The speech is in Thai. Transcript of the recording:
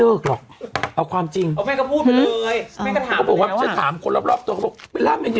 เออมั้ยแล้วพอได้อิ่ม